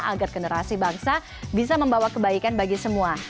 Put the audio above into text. agar generasi bangsa bisa membawa kebaikan bagi semua